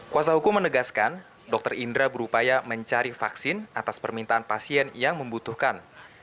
kuasa hukum menegaskan dr indra berupaya mencari vaksin atas permintaan pasien yang membutuhkan